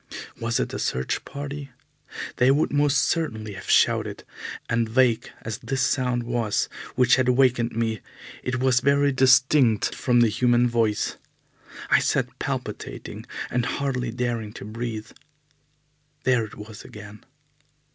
Was it a search party? They would most certainly have shouted, and vague as this sound was which had wakened me, it was very distinct from the human voice. I sat palpitating and hardly daring to breathe. There it was again!